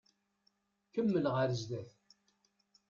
Kemmel ɣer zdat.